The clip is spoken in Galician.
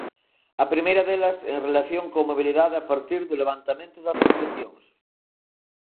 A primeira delas en relación coa mobilidade a partir do levantamento das restricións.